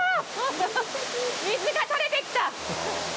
水が垂れてきた！